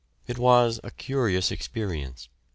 It was a curious experience.